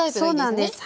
そうなんです。